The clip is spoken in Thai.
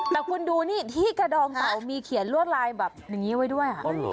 แต่คุณดูนี่ที่กระดองเต่ามีเขียนลวดลายแบบอย่างนี้ไว้ด้วย